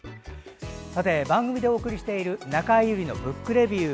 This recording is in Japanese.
番組でお送りしている「中江有里のブックレビュー」。